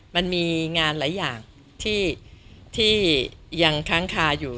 มันมีงานหลายอย่างที่ยังค้างคาอยู่